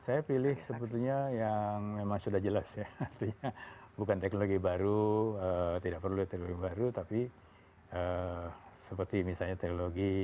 saya pilih sebetulnya yang memang sudah jelas ya artinya bukan teknologi baru tidak perlu teknologi baru tapi seperti misalnya teknologi